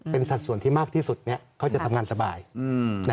เป็นสัดส่วนที่มากที่สุดเขาจะทำงานสบาย